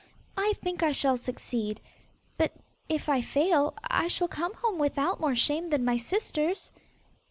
I think I shall succeed, but if I fail, I shall come home without more shame than my sisters.